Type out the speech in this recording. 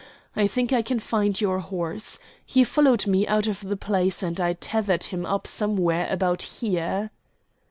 I think I can find your horse. He followed me out of the place, and I tethered him up somewhere about here."